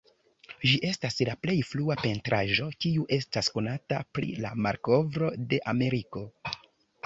Ĝi estas la plej frua pentraĵo kiu estas konata pri la malkovro de Ameriko.